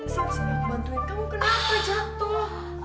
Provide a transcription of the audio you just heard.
saya sudah bantuin kamu kenapa jatuh